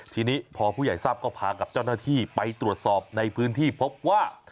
ทีนี้พอผู้ใหญ่ทราบก็พากับเจ้าหน้าที่ไปตรวจสอบในพื้นที่พบว่า